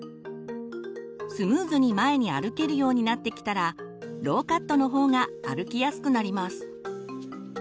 スムーズに前に歩けるようになってきたらローカットの方が歩きやすくなります。